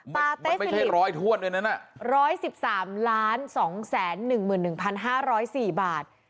ปาเต้ฟิลิปไม่ใช่ร้อยถ้วนอันนั้นอ่ะร้อยสิบสามล้านสองแสนหนึ่งหมื่นหนึ่งพันห้าร้อยสี่บาท